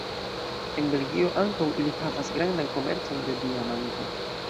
En Belgio ankaŭ ili havas grandan komercon de diamanto.